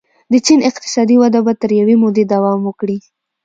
د چین اقتصادي وده به تر یوې مودې دوام وکړي.